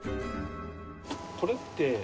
これって。